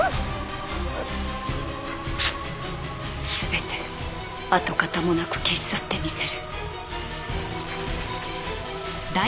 全て跡形もなく消し去ってみせる。